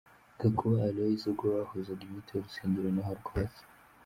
Gakuba Aloys, ubwo bahuzaga inyito y’urusengero naho rwubatse.